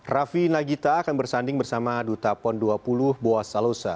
raffi nagita akan bersanding bersama duta pon dua puluh boas salosa